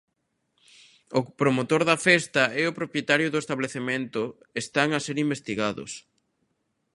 O promotor da festa e o propietario do establecemento están a ser investigados.